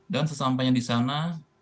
dan sesampainya disana